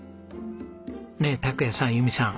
ねえ拓也さん友美さん